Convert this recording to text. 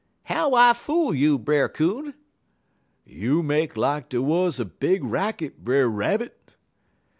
"'How I fool you, Brer Coon?' "'You make lak dey wuz a big racket, Brer Rabbit.'